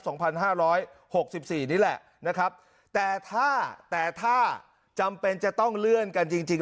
สองพันห้าร้อยหกสิบสี่นี่แหละนะครับแต่ถ้าแต่ถ้าจำเป็นจะต้องเลื่อนกันจริงจริง